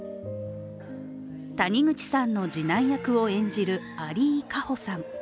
谷口さんの次男役を演じる有井可歩さん。